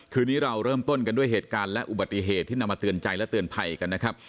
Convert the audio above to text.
คืนนี้เราเริ่มต้นกันด้วยเหตุการณ์และอุบัติเหตุที่นำมาเตือนใจและเตือนภัยกันนะครับ